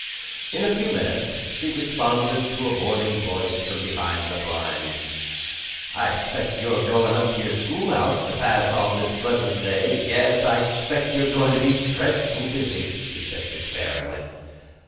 In a few minutes she responded to a morning voice from behind the blinds. "I expect you're goin' up to your schoolhouse to pass all this pleasant day; yes, I expect you're goin' to be dreadful busy," she said despairingly.